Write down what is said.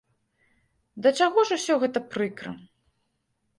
Да чаго ж усё гэта прыкра.